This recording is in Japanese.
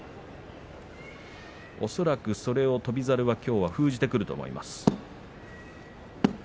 恐らくそう翔猿はきょうは封じてくると思います。